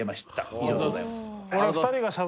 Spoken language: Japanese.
以上でございます。